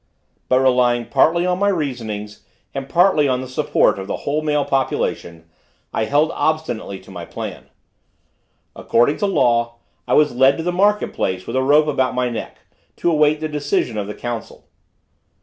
But relying partly on my reasonings and partly on the support of the whole male population, I held obstinately to my plan. According to law, I was led to the market place with a rope about my neck, to await the decision of the Council.